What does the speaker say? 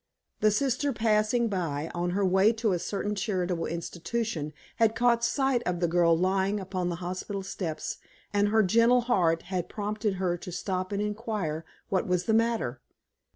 The sister passing by, on her way to a certain charitable institution, had caught sight of the girl lying upon the hospital steps, and her gentle heart had prompted her to stop and inquire what was the matter.